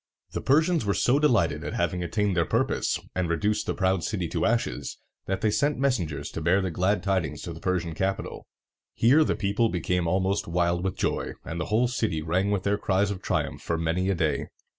The Persians were so delighted at having attained their purpose, and reduced the proud city to ashes, that they sent messengers to bear the glad tidings to the Persian capital. Here the people became almost wild with joy, and the whole city rang with their cries of triumph for many a day.